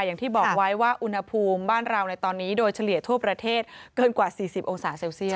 อย่างที่บอกไว้ว่าอุณหภูมิบ้านเราในตอนนี้โดยเฉลี่ยทั่วประเทศเกินกว่า๔๐องศาเซลเซียส